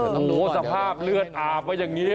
โหสภาครือเลือดอาบไว้อย่างนี้